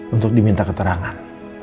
untuk diminta keterangan